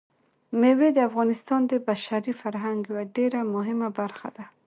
مېوې د افغانستان د بشري فرهنګ یوه ډېره مهمه برخه ده.